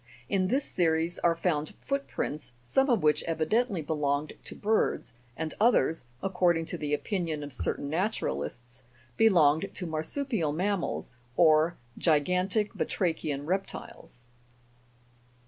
In this series are found foot prints, (fig. 61 ), some of which evidently belonged to birds, and others, according to the opinion of certain naturalists, belonged to marsupial mammals, or gigantic batrachian reptiles.